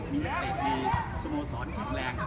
มีนักเเต็กที่สุโมสรที่แข็งแรง